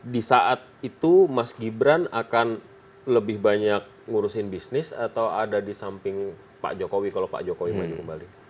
di saat itu mas gibran akan lebih banyak ngurusin bisnis atau ada di samping pak jokowi kalau pak jokowi maju kembali